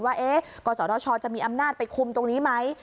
ว่ากศธชจะมีอำนาจไปคุมตรงนี้ไหม